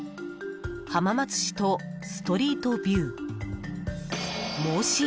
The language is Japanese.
［浜松市とストリートビュー］